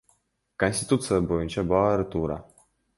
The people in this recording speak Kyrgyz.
Конституция боюнча баары туура.